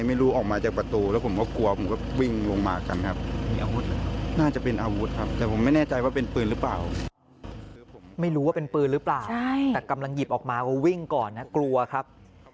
ไม่รู้ว่าเป็นปืนหรือเปล่าแต่กำลังหยิบออกมาก็วิ่งก่อนนะกลัวครับ